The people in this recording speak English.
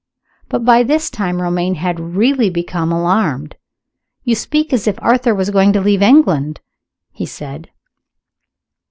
But by this time Romayne had really become alarmed. "You speak as if Arthur was going to leave England," he said.